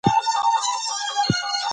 انا وویل چې ماشوم ته ډوډۍ ورکړئ.